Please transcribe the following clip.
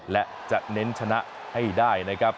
และจะเน้นชนะให้ได้นะครับ